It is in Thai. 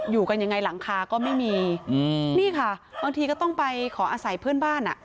อยู่กันยังไงหลังคาก็ไม่มีอืมนี่ค่ะบางทีก็ต้องไปขออาศัยเพื่อนบ้านอ่ะ